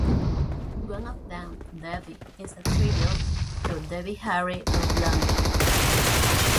One of them, "Debbie", is a tribute to Debbie Harry of Blondie.